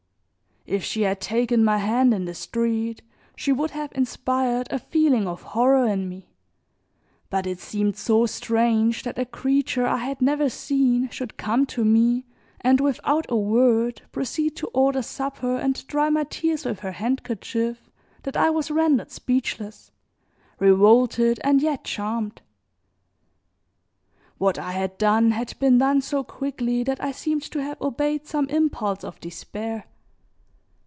If she had taken my hand in the street she would have inspired a feeling of horror in me, but it seemed so strange that a creature I had never seen should come to me, and without a word, proceed to order supper and dry my tears with her handkerchief that I was rendered speechless, revolted and yet charmed. What I had done had been done so quickly that I seemed to have obeyed some impulse of despair.